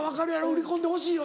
売り込んでほしいよな。